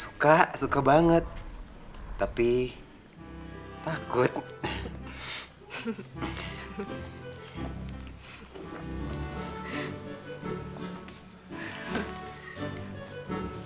lo tuh sebenernya suka gak sih nonton film horror